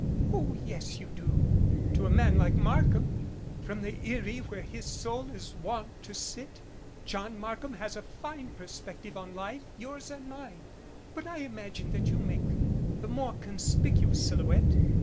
"Oh, yes, you do, to a man like Markham. From the eyrie where his soul is wont to sit, John Markham has a fine perspective on life yours and mine. But I imagine 19 that you make the more conspicuous silhouette.